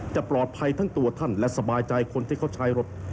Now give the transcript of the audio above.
จะปลอดภัยทั้งตัวท่านและสบายใจคนที่เขาใช้รถ